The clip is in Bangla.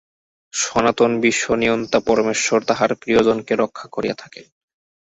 সনাতন বিশ্বনিয়ন্তা পরমেশ্বর তাঁহার প্রিয়জনকে রক্ষা করিয়া থাকেন।